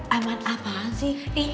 aman apaan sih